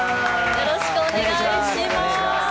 よろしくお願いします。